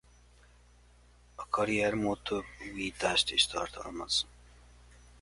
A karrier-mód több újítást is tartalmaz.